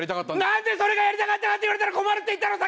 「なんでそれがやりたかった」なんて言われたら困るって言ったろう！